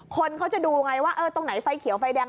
คนเขาจะดูไงว่าตรงไหนไฟเขียวไฟแดง